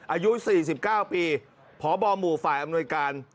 อายุ๔๙ปีพบหมู่ฝ่ายอำนวยการ